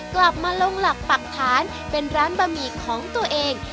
กลับมาลงหลักปักฐานเป็นร้านบะหมี่ของตัวเอง